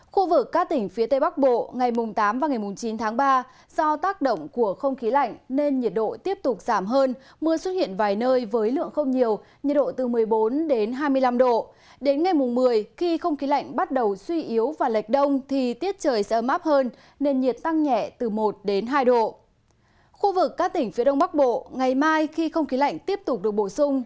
khu vực các tỉnh phía đông bắc bộ ngày mai khi không khí lạnh tiếp tục được bổ sung